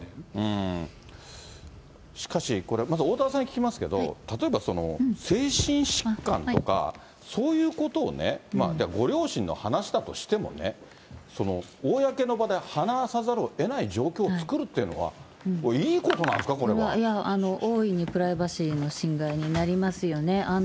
これまず、おおたわさんに聞きますけれども、例えばその精神疾患とか、そういうことをね、ご両親の話だとしてもね、公の場で話さざるをえない状況を作るっていうのは、いいことなんいや、大いにプライバシーの侵害になりますよね。